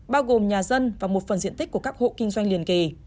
bao gồm nhà dân và một phần diện tích của các hộ kinh doanh liền kề